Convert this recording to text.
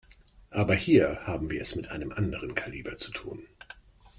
Aber hier haben wir es mit einem anderen Kaliber zu tun.